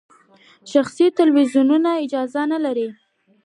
شخصي تلویزیونونه اجازه نلري.